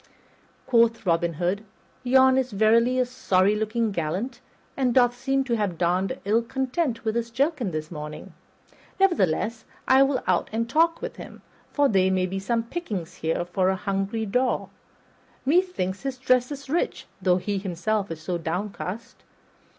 Quoth Robin Hood, "Yon is verily a sorry looking gallant, and doth seem to have donned ill content with his jerkin this morning; nevertheless, I will out and talk with him, for there may be some pickings here for a hungry daw. Methinks his dress is rich, though he himself is so downcast.